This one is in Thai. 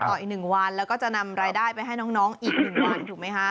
ทำต่ออีกหนึ่งวันแล้วก็จะนำรายได้ไปให้น้องอีกหนึ่งวันถูกมั้ยคะ